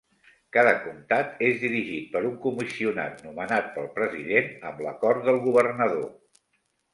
Cada comtat és dirigit per un comissionat nomenat pel president amb l'acord del governador.